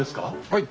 はい。